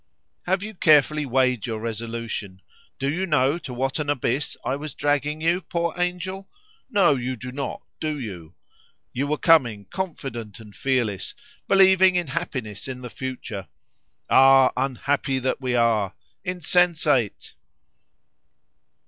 "Have you carefully weighed your resolution? Do you know to what an abyss I was dragging you, poor angel? No, you do not, do you? You were coming confident and fearless, believing in happiness in the future. Ah! unhappy that we are insensate!"